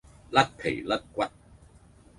甩皮甩骨